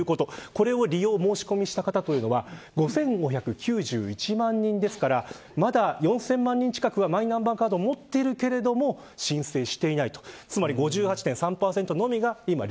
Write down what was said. これを利用申し込みした方というのは５５９１万人ですからまだ４０００万人近くはマイナンバーカードを持っているけれども申請していないと。